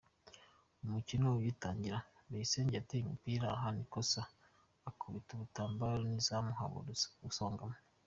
Umukino ugitangira, Bayisenge yateye umupira ahana ikosa ukubita umutambiko w’izamu habura usongamo.